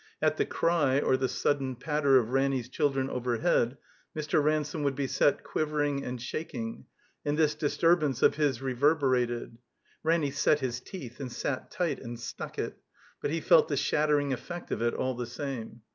At the' cry or the sudden patter of Ranny's children overhead, Mr. Ransome would be set quiver ing and shaking, and this disturbance of his re verberated, fcinny set his teeth and sat tight and "stuck it"; but he felt the shattering effect of it all the same.''